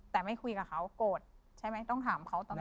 แต่ไม่คุยกับเขาโกรธใช่ไหมต้องถามเขาตลอด